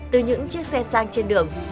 từ những chiếc xe sang trên đường